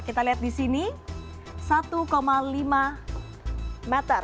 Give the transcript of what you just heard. kita lihat di sini satu lima meter